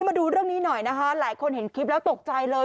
มาดูเรื่องนี้หน่อยนะคะหลายคนเห็นคลิปแล้วตกใจเลย